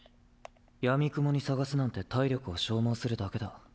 やみくもに捜すなんて体力を消耗するだけだ。